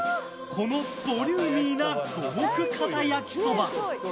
このボリューミーな五目かた焼きそば。